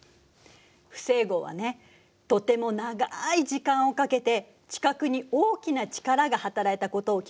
不整合はねとても長い時間をかけて地殻に大きな力がはたらいたことを記録しているのよ。